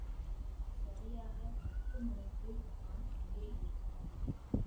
சரியாக பத்து மணிக்கு நான் அங்கே இருக்கனும்.